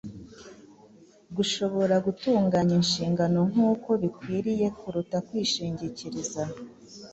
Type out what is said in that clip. gushobora gutunganya inshingano nk’uko bikwiriye kuruta kwishingikiriza